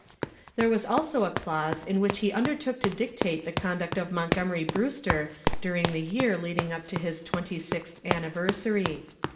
There was also a clause in which he undertook to dictate the conduct of Montgomery Brewster during the year leading up to his twenty sixth anniversary.